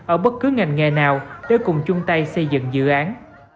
ở bất cứ ngành nghề nào để cùng chung tay xây dựng dự án